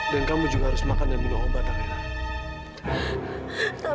dan kamu juga harus makan dan minum obat alina